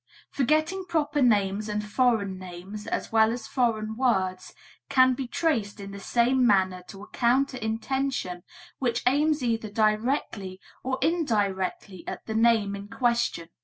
Forgetting proper names and foreign names as well as foreign words can be traced in the same manner to a counter intention which aims either directly or indirectly at the name in question.